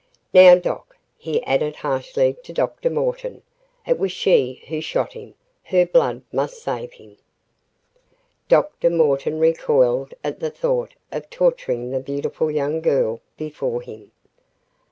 "Now, doc.," he added harshly to Dr. Morton. "It was she who shot him. Her blood must save him." Dr. Morton recoiled at the thought of torturing the beautiful young girl before him.